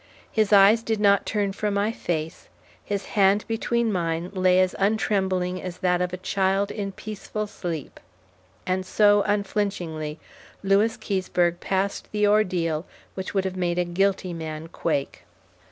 His eyes did not turn from my face; his hand between mine lay as untrembling as that of a child in peaceful sleep; and so, unflinchingly Lewis Keseberg passed the ordeal which would have made a guilty man quake.